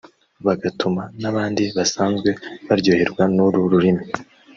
bagatuma n’abandi basanzwe baryoherwa n’uru rurimi